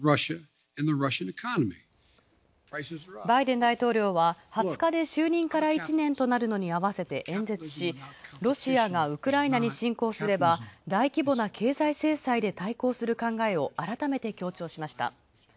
バイデン大統領は、２０日で就任から１年となるのに合わせてロシアがウクライナに侵攻すれば、大規模な経済制裁で対抗する考えを改めて強調しました。